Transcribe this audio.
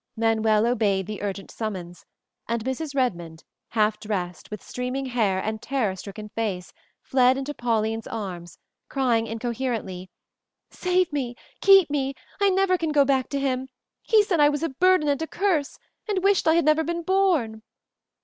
Manuel obeyed the urgent summons, and Mrs. Redmond, half dressed, with streaming hair and terror stricken face, fled into Pauline's arms, crying incoherently, "Save me! Keep me! I never can go back to him; he said I was a burden and a curse, and wished I never had been born!"